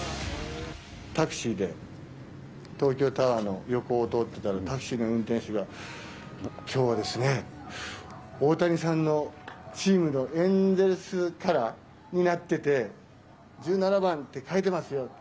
タクシーで東京タワーの横を通ってたら、タクシーの運転手が、きょうはですね、大谷さんのチームのエンゼルスカラーになってて、１７番って書いてますよ。